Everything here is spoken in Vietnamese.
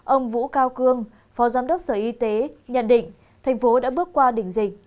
ông vũ cao cương phó giám đốc sở y tế nhận định thành phố đã bước qua đỉnh dịch